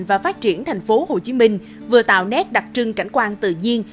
và phát triển thành phố hồ chí minh vừa tạo nét đặc trưng cảnh quan tự nhiên